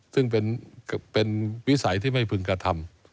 ซึ่งเป็นวิสัยที่ไม่พึงกระทำ